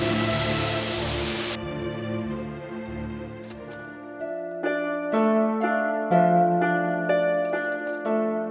apakah aku bisa hentikan posisinya sama namang sih